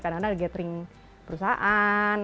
kadang kadang ada gathering perusahaan